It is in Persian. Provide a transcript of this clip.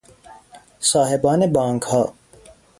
صاحبان بانکها